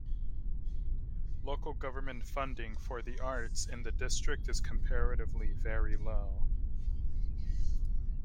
Local government funding for the arts in the district is comparatively very low.